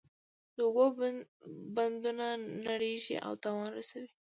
د اوبو بندونه نړیږي او تاوان رسوي.